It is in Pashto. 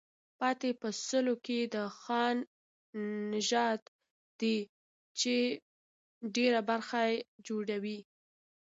پاتې په سلو کې د خان نژاد دی چې ډېره برخه جوړوي.